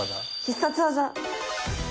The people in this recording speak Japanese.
必殺技。